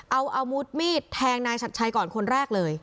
เอาอาวุธมีดแทงนายชัดชัยก่อนคนแรกเลย